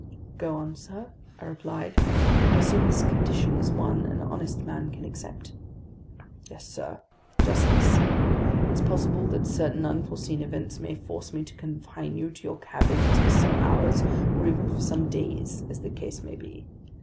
"Go on, sir," I replied. "I assume this condition is one an honest man can accept?" "Yes, sir. Just this. It's possible that certain unforeseen events may force me to confine you to your cabins for some hours, or even for some days as the case may be.